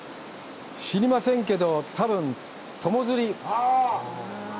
知りませんけど、多分、友釣り！